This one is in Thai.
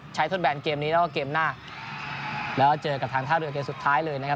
ใช้โทษแบนเกมนี้แล้วก็เกมหน้าแล้วเจอกับทางท่าน้วยต่อเกรงสุดท้ายเลยนะครับ